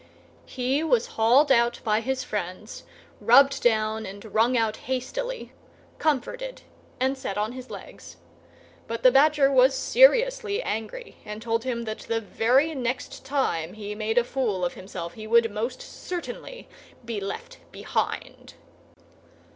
He was hauled out by his friends, rubbed down and wrung out hastily, comforted, and set on his legs; but the Badger was seriously angry, and told him that the very next time he made a fool of himself he would most certainly be left behind.